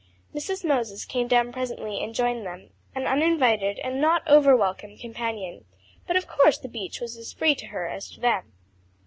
Mrs. Moses came down presently and joined them, an uninvited and not over welcome companion, but of course the beach was as free to her as to them.